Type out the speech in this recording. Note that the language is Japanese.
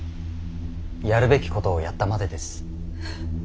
やるべきことをやったまでです。